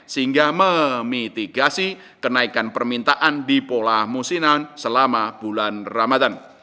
sehingga memitigasi kenaikan permintaan di pola musiman selama bulan ramadan